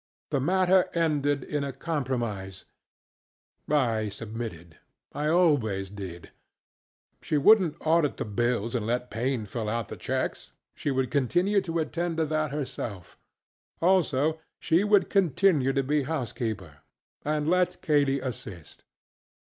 The matter ended in a compromise, I submitted. I always did. She wouldnŌĆÖt audit the bills and let Paine fill out the checksŌĆöshe would continue to attend to that herself. Also, she would continue to be housekeeper, and let Katy assist.